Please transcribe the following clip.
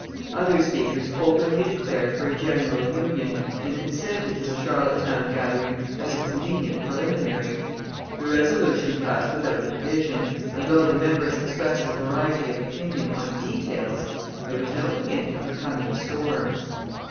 Other speakers openly declared for a general union, and consented to the Charlottetown gathering as a convenient preliminary. The resolution passed without a division; and, though the members expressed a variety of opinion on details, there was no hint of a coming storm.